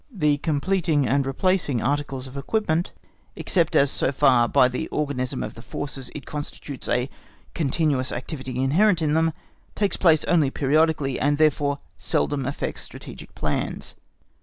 The completing and replacing articles of arms and equipment, except so far as by the organism of the forces it constitutes a continuous activity inherent in them—takes place only periodically, and therefore seldom affects strategic plans.